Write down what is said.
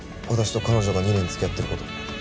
私と彼女が２年付き合ってる事。